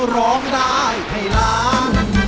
ร้องได้ให้ล้าน